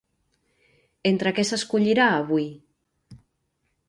Entre què s'escollirà avui?